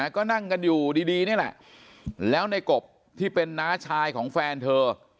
ก็นั่งกันอยู่ดีนี่แหละแล้วในกบที่เป็นน้าชายของแฟนเธอ